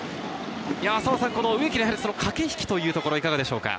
植木の駆け引きというところ、いかがでしょうか？